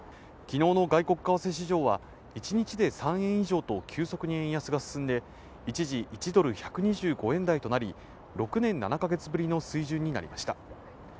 昨日の外国為替市場は一日で３円以上と急速に円安が進んで、一時、１ドル＝１２５円台となり、６年７カ月ぶりの水準になりました。